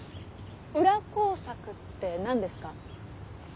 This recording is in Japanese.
裏工作ってなんですか？